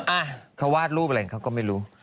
อ่ะเขาวาดรูปอะไรเขาก็ไม่รู้